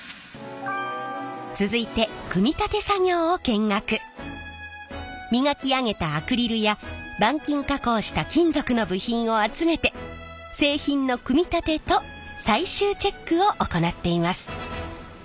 続いて磨き上げたアクリルや板金加工した金属の部品を集めて製品の組み立てと最終チェックを行っています。